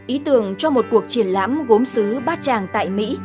ý tưởng cho một cuộc triển lãm gốm xứ bát tràng tại mỹ